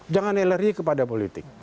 jangan eleri kepada politik